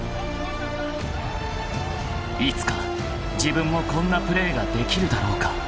［いつか自分もこんなプレーができるだろうか］